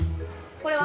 これは？